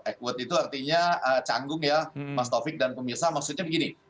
equote itu artinya canggung ya mas taufik dan pemirsa maksudnya begini